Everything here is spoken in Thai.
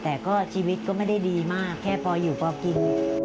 แต่ก็ชีวิตก็ไม่ได้ดีมากแค่พออยู่พอกิน